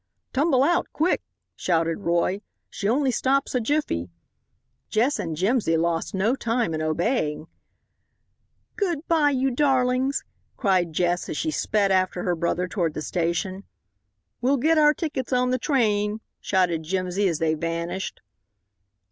"Tumble out quick!" shouted Roy, "she only stops a jiffy." Jess and Jimsy lost no time in obeying. "Good bye, you darlings!" cried Jess, as she sped after her brother toward the station. "We'll get our tickets on the train!" shouted Jimsy, as they vanished.